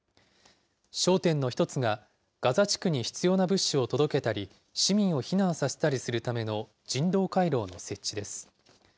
焦点の一つが、ガザ地区に必要な物資を届けたり、市民を避難させたりするための人道回廊の設置です。